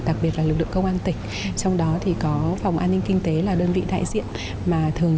đặc biệt là lực lượng công an tỉnh trong đó thì có phòng an ninh kinh tế là đơn vị đại diện mà thường